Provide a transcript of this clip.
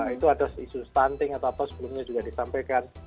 itu ada isu stunting atau apa sebelumnya juga disampaikan